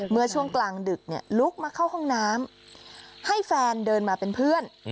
เมื่อช่วงกลางดึกลุกมาเข้าห้องน้ำให้แฟนเดินมาเป็นเพื่อน